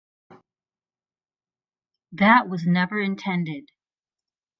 That was never intended.